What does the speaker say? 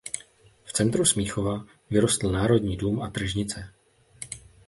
V centru Smíchova vyrostl Národní dům a tržnice.